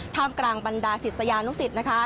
ท่ามกลางบรรดาศิษยานุสิตนะคะ